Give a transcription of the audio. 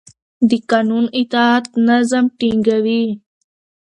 د قانون اطاعت نظم ټینګوي